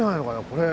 これ。